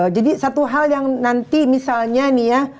jadi satu hal yang nanti misalnya nih ya